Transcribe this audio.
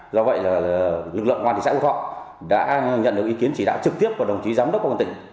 do vậy lực lượng hoàn thị xã hồ thọ đã nhận được ý kiến chỉ đạo trực tiếp của đồng chí giám đốc công an tỉnh